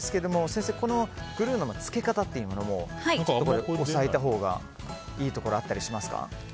先生、このグルーの付け方というのも押さえたほうがいいところあったりしますか。